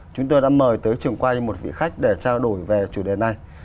chúng tôi đã mời tới trường quay một vị khách để trao đổi về chủ đề này